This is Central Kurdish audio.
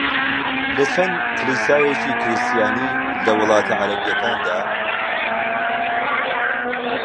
لە چەند کڵێسایەکی کریستیانی لە وڵاتە عەرەبییەکاندا